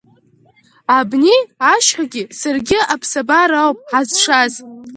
Абни ашьхагьы саргьы аԥсабара ауп ҳазшаз.